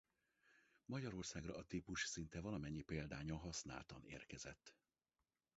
Magyarországra a típus szinte valamennyi példánya használtan érkezett.